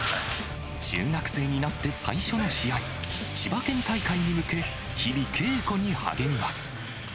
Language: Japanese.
中学生になって最初の試合、千葉県大会に向け、日々、稽古に励みます。